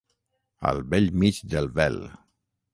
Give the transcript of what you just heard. Al bell mig del vel.